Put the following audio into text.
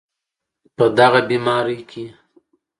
په دغې بیمارۍ کې